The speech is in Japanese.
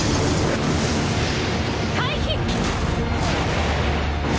回避！